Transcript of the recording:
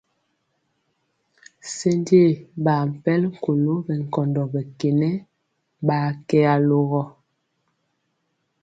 Senje ɓakpɛl kolo ɓɛ nkɔndɔ ɓɛ kenɛ ɓaa kɛ alogɔ.